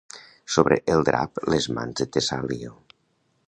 Sobre el drap les mans de Tesalio